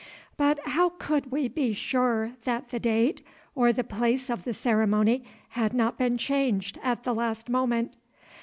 But how could we be sure that the date, or the place of the ceremony, had not been changed at the last moment?